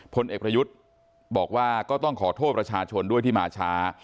พลเอกประยุทธ์บอกว่าก็ต้องขอโทษประชาชนด้วยที่มาช้า